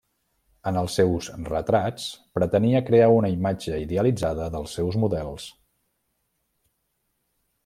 En els seus retrats pretenia crear una imatge idealitzada dels seus models.